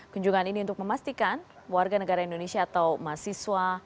kunjungan ini untuk memastikan warga negara indonesia atau mahasiswa